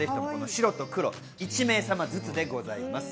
白と黒１名様ずつでございます。